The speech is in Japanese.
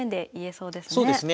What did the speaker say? そうですね。